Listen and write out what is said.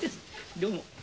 どうも。